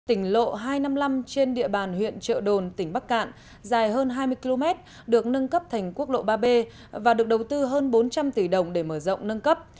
tỉnh lộ hai trăm năm mươi năm trên địa bàn huyện trợ đồn tỉnh bắc cạn dài hơn hai mươi km được nâng cấp thành quốc lộ ba b và được đầu tư hơn bốn trăm linh tỷ đồng để mở rộng nâng cấp